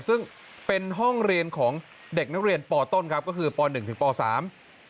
ซึ่งเป็นห้องเรียนของเด็กนักเรียนปต้นครับก็คือปหนึ่งถึงปสาม